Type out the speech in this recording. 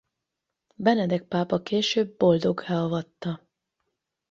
Benedek pápa később boldoggá avatta.